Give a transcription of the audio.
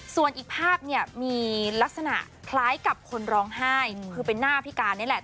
ส่วนอีกภาพเนี่ยมีลักษณะคล้ายกับคนร้องไห้คือเป็นหน้าพิการนี่แหละ